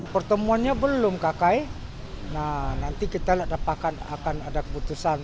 pertemuannya belum kakai nanti kita dapatkan keputusan